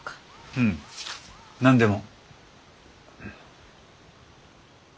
うん。何でも。